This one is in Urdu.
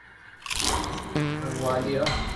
منگولیائی